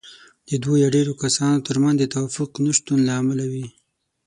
د دوو يا ډېرو کسانو ترمنځ د توافق د نشتون له امله وي.